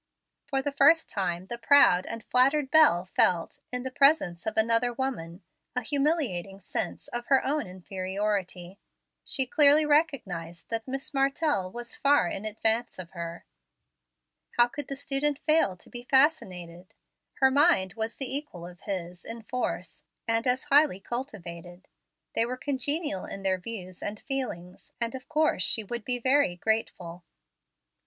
For the first time the proud and flattered belle felt, in the presence of another woman, a humiliating sense of her own inferiority. She clearly recognized that Miss Martell was far in advance of her. How could the student fail to be fascinated? Her mind was the equal of his in force, and as highly cultivated. They were congenial in their views and feelings, and of course she would be very grateful.